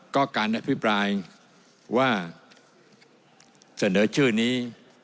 ก็การอภิปรายว่าเสนอชื่อนี้